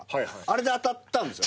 あれで当たったんですよ。